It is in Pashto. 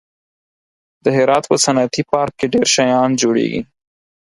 د هرات په صنعتي پارک کې ډېر شیان جوړېږي.